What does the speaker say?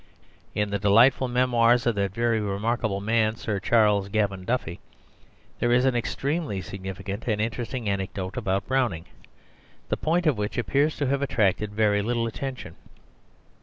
In the delightful memoirs of that very remarkable man Sir Charles Gavan Duffy, there is an extremely significant and interesting anecdote about Browning, the point of which appears to have attracted very little attention.